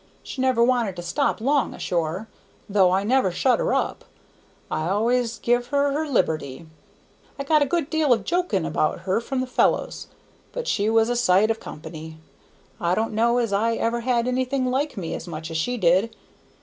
She never wanted to stop long ashore, though I never shut her up; I always give her her liberty. I got a good deal of joking about her from the fellows, but she was a sight of company. I don' know as I ever had anything like me as much as she did.